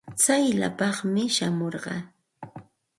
Tsayllapaami shamurqaa.